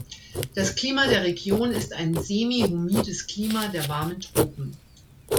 Das Klima der Region ist ein semi-humides Klima der warmen Tropen.